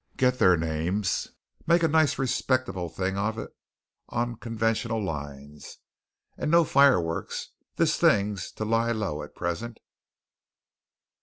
Get their names make a nice, respectable thing of it on conventional lines. And no fireworks! This thing's to lie low at present."